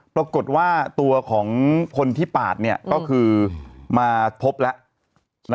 ปรากฏว่าตัวของคนที่ปาดก็คือมาพบแล้ว